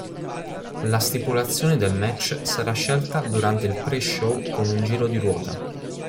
La stipulazione del match sarà scelta durante il pre-show con un giro di ruota.